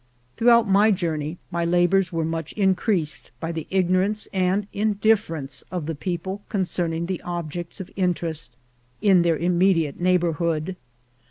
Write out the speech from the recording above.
Throughout my journey my labours were much increased by the ignorance and indifference of the people concerning the objects of interest in their im mediate neighbourhood.